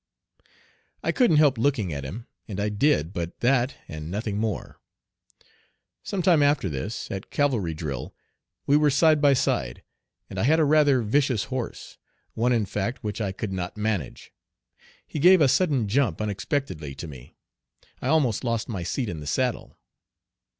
I couldn't help looking at him, and I did; but that, and nothing more. Some time after this, at cavalry drill, we were side by side, and I had a rather vicious horse, one in fact which I could not manage. He gave a sudden jump unexpectedly to me. I almost lost my seat in the saddle.